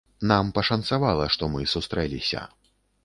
Нам пашанцавала, што мы сустрэліся.